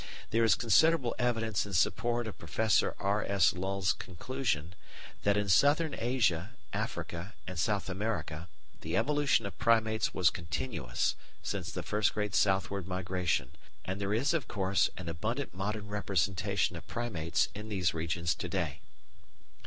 There is considerable evidence in support of Professor R. S. Lull's conclusion, that in Southern Asia, Africa, and South America the evolution of Primates was continuous since the first great southward migration, and there is, of course, an abundant modern representation of Primates in these regions to day.